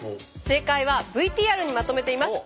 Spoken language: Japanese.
正解はＶＴＲにまとめています。